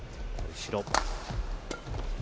後ろ。